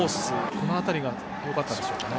この辺りがよかったでしょうか。